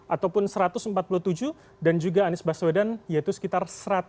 ataupun satu ratus empat puluh tujuh dan juga anies baswedan yaitu sekitar satu ratus enam puluh